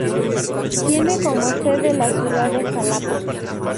Tiene como sede la ciudad de Xalapa.